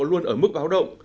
luôn ở mức báo động